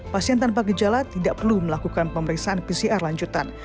pasien tanpa gejala tidak perlu melakukan pemeriksaan pcr lanjutan